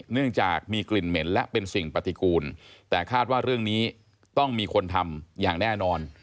เนื่องจากมีกลิ่นเหม็นและเป็นสิ่งปฏิกูลแต่คาดว่าเรื่องนี้ต้องมีคนทำอย่างแน่นอน